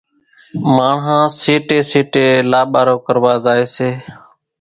ماڻۿان سيٽيَ سيٽيَ لاٻارو ڪروا زائيَ سي۔